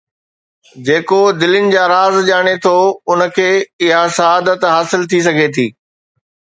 جيڪو دلين جا راز ڄاڻي ٿو، ان کي اها سعادت حاصل ٿي سگهي ٿي.